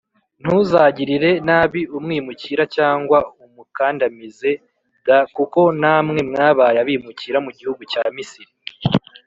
Ntuzagirire nabi umwimukira cyangwa ngo umukandamize d kuko namwe mwabaye abimukira mu gihugu cya misiri